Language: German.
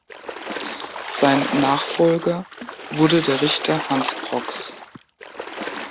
Sein Nachfolger wurde der Richter Hans Brox.